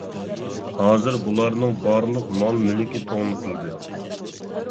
ھازىر بۇلارنىڭ بارلىق مال مۈلكى توڭلىتىلدى.